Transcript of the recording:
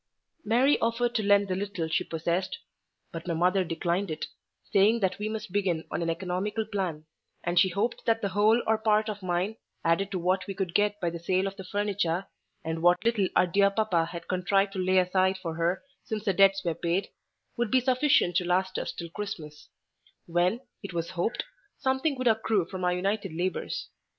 Mary offered to lend the little she possessed; but my mother declined it, saying that we must begin on an economical plan; and she hoped that the whole or part of mine, added to what we could get by the sale of the furniture, and what little our dear papa had contrived to lay aside for her since the debts were paid, would be sufficient to last us till Christmas; when, it was hoped, something would accrue from our united labours.